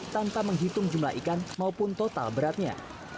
tanpa menghitung jumlah ikan maupun total beratnya